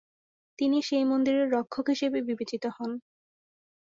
তিনি সেই মন্দিরের রক্ষক হিসেবে বিবেচিত হন।